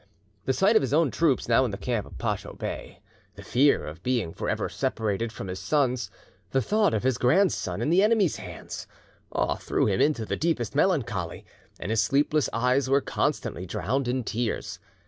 The sight of his own troops, now in the camp of Pacho Bey, the fear of being for ever separated from his sons, the thought of his grandson in the enemy's hands, all threw him into the deepest melancholy, and his sleepless eyes were constantly drowned in tears.